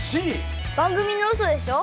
番組のウソでしょ？